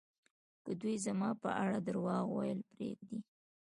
که دوی زما په اړه درواغ ویل پرېږدي